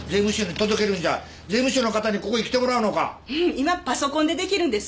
今パソコンでできるんです。